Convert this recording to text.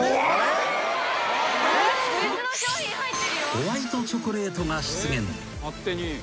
［ホワイトチョコレートが出現］